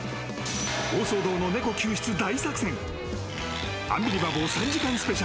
大騒動の猫救出大作戦。